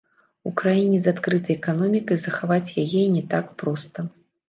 У краіне з адкрытай эканомікай захаваць яе не так проста.